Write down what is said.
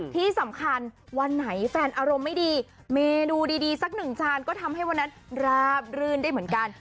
ที่สำคัญวันไหนแฟนอารมณ์ไม่ดีเมนูดีสักหนึ่งจานก็ทำให้วันนั้นราบรื่นได้เหมือนกัน